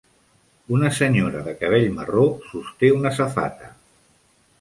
Una senyora de cabell marró sosté una safata.